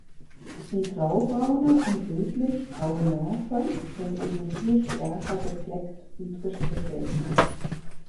Die graubraune und rötlich graue Morphe sind oben viel stärker gefleckt und gestrichelt.